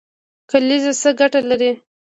کلیزه څه ګټه لري؟